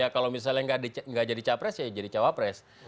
kalau misalnya gak jadi capres jadi cawapres